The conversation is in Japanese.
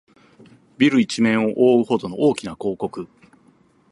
ビル一面をおおうほどの大きな広告